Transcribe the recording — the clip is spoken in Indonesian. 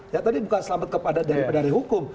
ya tadi bukan selamat daripada hukum